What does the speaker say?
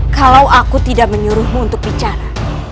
kalau aku tidak menyuruhmu untuk bicara